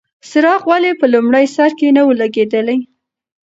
څراغ ولې په لومړي سر کې نه و لګېدلی؟